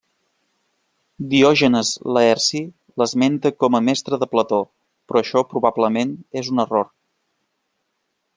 Diògenes Laerci l'esmenta com a mestre de Plató, però això probablement és un error.